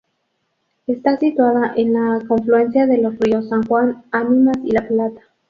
Está situado en la confluencia de los ríos San Juan, Animas y La Plata.